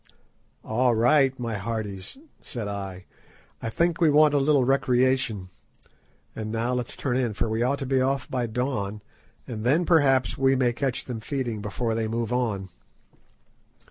"All right, my hearties," said I. "I think we want a little recreation. And now let's turn in, for we ought to be off by dawn, and then perhaps we may catch them feeding before they move on."